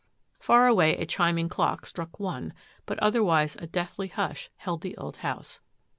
Far away a ch clock struck one, but otherwise a deathly husl the old house.